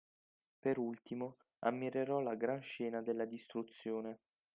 Per ultimo, ammirerò la gran scena della distruzione